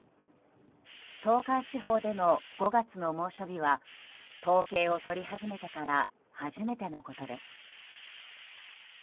東海地方での５月の猛暑日は統計を取り始めてから初めてのことです。